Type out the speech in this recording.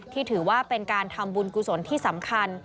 ถือว่าเป็นการทำบุญกุศลที่สำคัญ